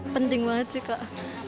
penting banget sih kak